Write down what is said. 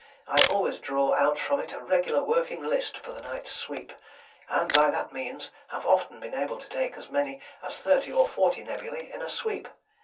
I always draw out from it a regular working list for the night's sweep, and by that means have often been able to take as many as thirty or forty nebulæ in a sweep.